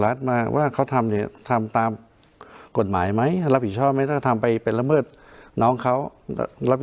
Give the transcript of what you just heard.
ผมเคยเชิญเจ้าหน้าที่ของรัฐ